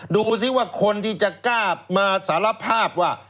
ดูสิว่าคนที่จะกล้ามาสารภาพว่า